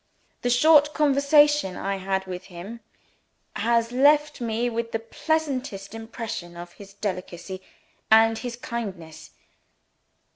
The short conversation I had with him has left me with the pleasantest impression of his delicacy and his kindness.